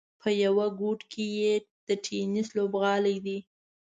په یوه ګوټ کې یې د ټېنس لوبغالی دی.